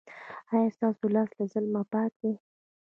ایا ستاسو لاس له ظلم پاک دی؟